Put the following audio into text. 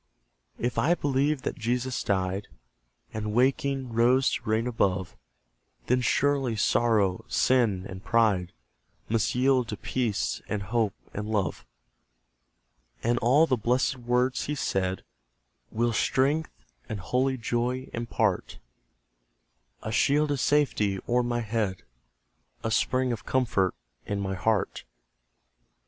If I believe that Jesus died, And waking, rose to reign above; Then surely Sorrow, Sin, and Pride, Must yield to Peace, and Hope, and Love. And all the blessed words He said Will strength and holy joy impart: A shield of safety o'er my head, A spring of comfort in my heart.